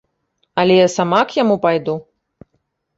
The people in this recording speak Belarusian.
Але я сама к яму пайду.